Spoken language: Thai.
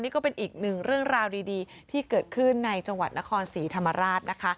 นี่ก็เป็นอีกหนึ่งเรื่องราวดีที่เกิดขึ้นในจังหวัดนครศรีธรรมราชนะคะ